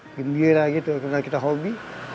gembira gitu karena kita hobi